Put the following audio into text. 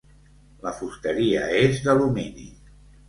La fusteria és d'alumini.